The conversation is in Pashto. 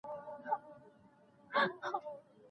تخیل د بریالیتوب لپاره د پلانونو کور دی.